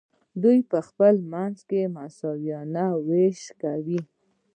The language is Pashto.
دوی په خپل منځ کې مساویانه ویش کاوه.